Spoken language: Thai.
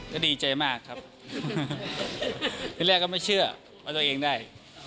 ก็ดีใจมากครับที่แรกก็ไม่เชื่อว่าตัวเองได้